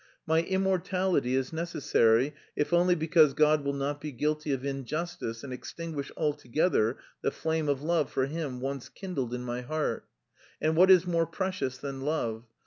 "My immortality is necessary if only because God will not be guilty of injustice and extinguish altogether the flame of love for Him once kindled in my heart. And what is more precious than love?